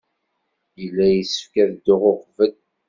Yella yessefk ad dduɣ uqbel.